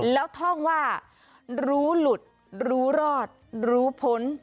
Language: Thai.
แล้วท่องว่ารู้หลุดรู้รอดรู้ผล